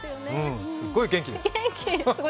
すっごい元気です。